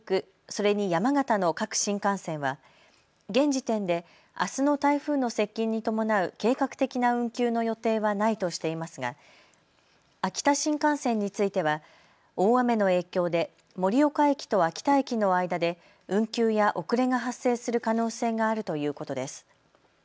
それに山形の各新幹線は現時点であすの台風の接近に伴う計画的な運休の予定はないとしていますが秋田新幹線については大雨の影響で盛岡駅と秋田駅の間で運休や遅れが発生する可能性があるということです。